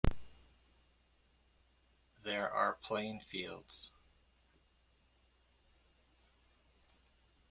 There are playing fields.